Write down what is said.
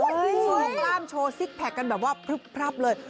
สูงล่ามโชว์ซิกแพคกันแบบว่าพรึบเลย